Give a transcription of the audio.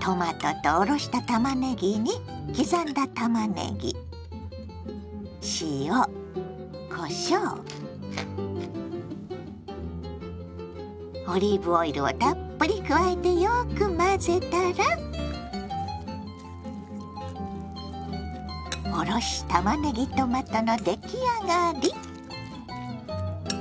トマトとおろしたたまねぎに刻んだたまねぎ塩こしょうオリーブオイルをたっぷり加えてよく混ぜたら「おろしたまねぎトマト」の出来上がり。